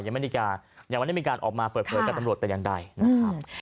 ยังไม่ได้มีการออกมาเปิดเผยกับตำรวจแต่อย่างใดนะครับ